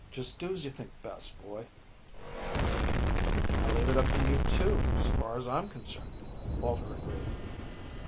Just do as you think best, boy." "I leave it up to you, too, so far as I'm concerned," Walter agreed.